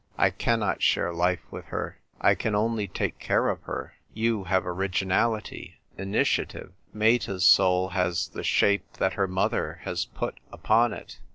I cannot share life with her, I can only take care of her. You have originality, initiative ; Meta's soul has the shape that her mother has put upon it.